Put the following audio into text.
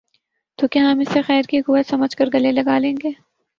تو کیا ہم اسے خیر کی قوت سمجھ کر گلے لگا لیں گے؟